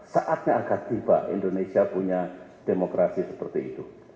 saatnya akan tiba indonesia punya demokrasi seperti itu